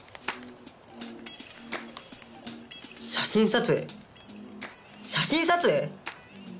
写真撮影写真撮影！？